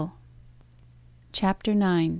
CHAPTER IX.